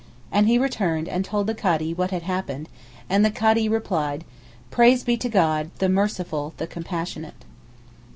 And he returned and told the Kadee what had happened, and the Kadee replied, 'Praise be to God, the merciful, the compassionate.